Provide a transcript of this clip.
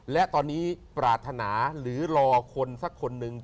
และตอนนี้ปรารถนาหรือรอคนสักคนหนึ่ง